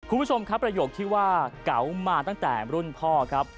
คุณผู้ชมครับประโยคที่ว่าเก๋ามาตั้งแต่รุ่นพ่อครับ